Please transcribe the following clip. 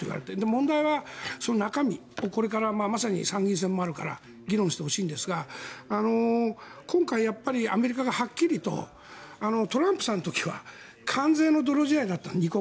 問題はその中身をこれからまさに参議院選もあるから議論してほしいんですが今回、アメリカがはっきりとトランプさんの時は２国の完全な泥仕合だった。